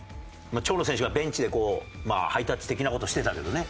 長野選手がベンチでハイタッチ的な事してたけどね。